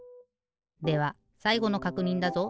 ではさいごのかくにんだぞ！